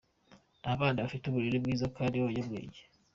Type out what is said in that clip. Ni abana bafite uburere bwiza kandi b’abanyabwenge.